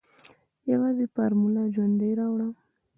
يوازې فارموله ژوندۍ راوړه.